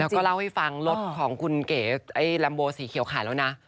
แล้วก็เล่าให้ฟังรถของคุณเก๋ไอ้ลัมโบสีเขียวขายแล้วนะ